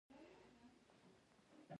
هالنډیانو د ختیځ هند کمپنۍ جوړه کړه.